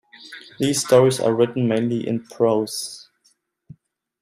These stories are written mainly in prose.